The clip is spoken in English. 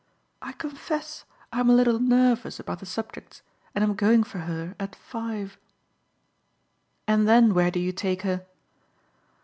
I confess I'm a little nervous about the subjects and am going for her at five." "And then where do you take her?"